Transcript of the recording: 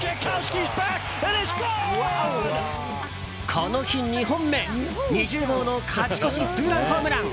この日２本目、２０号の勝ち越しツーランホームラン。